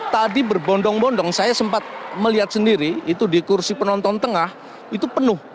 tadi berbondong bondong saya sempat melihat sendiri itu di kursi penonton tengah itu penuh